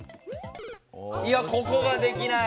いやここができない。